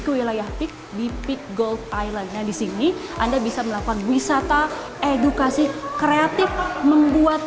di wilayah di pik gold island nya di sini anda bisa melakukan wisata edukasi kreatif membuat